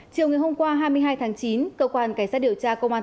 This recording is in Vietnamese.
chiều ngày hôm qua hai mươi hai tháng chín cơ quan cảnh sát điều tra công an tỉnh đồng nai